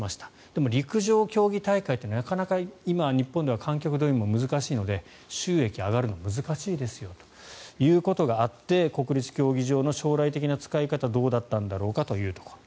でも、陸上競技大会はなかなか今、日本では観客動員が難しいので収益が上がるのが難しいですよということがあって国立競技場の将来的な使い方はどうだったんだろうかというところ。